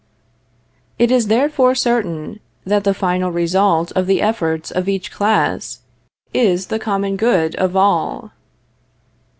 It is, therefore, certain that the final result of the efforts of each class, is the common good of all.